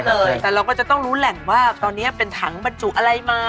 แต่เราก็จะต้องรู้แหล่งว่าตอนนี้เป็นถังบรรจุอะไรมา